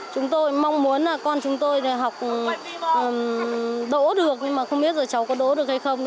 chúng tôi mong muốn là con chúng tôi học đỗ được nhưng mà không biết rồi cháu có đỗ được hay không